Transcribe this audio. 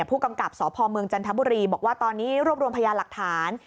ผู้กำกับสพเมืองจันทบุรีบอกว่าตอนนี้รวบรวมพยานหลักฐาน